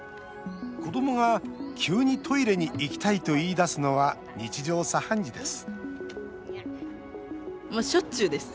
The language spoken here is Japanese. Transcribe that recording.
子どもが急にトイレに行きたいと言いだすのは日常茶飯事です